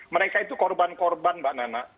mereka itu korban korban mbak nana